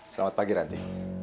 selamat pagi ranti